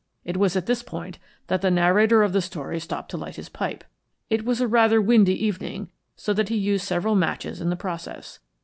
It was at this point that the narrator of the story stopped to light his pipe. It was rather a windy evening, so that he used several matches in the process.